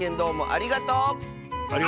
ありがとう！